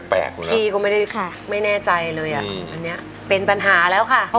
เพลงที่๖นะครับ